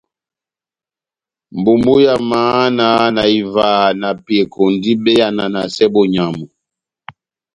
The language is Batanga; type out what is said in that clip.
Mbumbu ya mahana na ivaha na peko ndi be yananasɛ bonyamu.